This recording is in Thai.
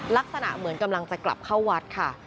ลักษณะเหมือนกำลังจะกลับเข้าวัดค่ะ